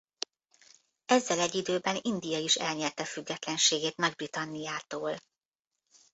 Ezzel egy időben India is elnyerte függetlenségét Nagy-Britanniától.